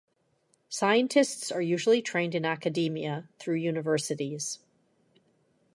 Scientists are usually trained in academia through universities.